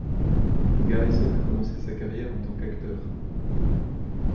Garrison a commencé sa carrière en tant qu'acteur.